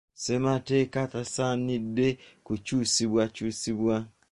Ssemateeka tasaanide kukyusibwakyusibwa.